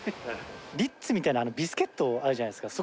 リッツみたいなビスケットあるじゃないですか。